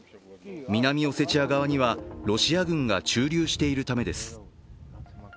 南オセチア側にはロシア軍が駐留しているためです。